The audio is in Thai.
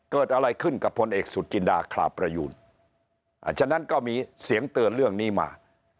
เกิดอะไรขึ้นกับพลเอกสุจินดาคลาประยูนฉะนั้นก็มีเสียงเตือนเรื่องนี้มา